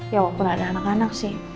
ya waktu gak ada anak anak sih